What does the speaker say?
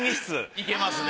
いけますね。